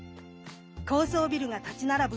高層ビルが立ち並ぶ